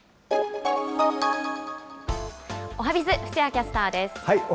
おはＢｉｚ、布施谷キャスターです。